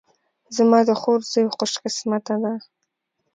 زما د خور زوی خوش قسمته ده